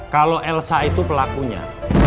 kalau elsa itu pelakunya